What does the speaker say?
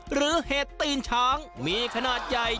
หรือเหตุตีนช้างมีขนาดใหญ่